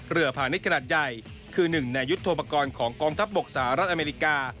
เรือผ่านนิดขนาดใหญ่คือหนึ่งในยุทธโทปกรณ์ของกองทัพบกสหรัฐอเมริกา